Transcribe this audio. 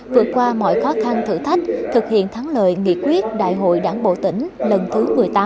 vượt qua mọi khó khăn thử thách thực hiện thắng lợi nghị quyết đại hội đảng bộ tỉnh lần thứ một mươi tám